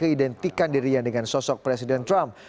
mengidentikan dirinya dengan sosok presiden trump